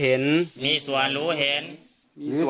ข้าพเจ้านางสาวสุภัณฑ์หลาโภ